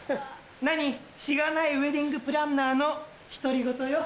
何しがないウエディングプランナーの独り言よ。